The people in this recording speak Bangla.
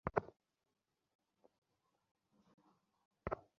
নির্জারার সাথে, আমি গতকাল তার সাথে এই বিষয়টা কথা বলেছি।